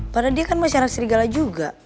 padahal dia kan masih anak serigala juga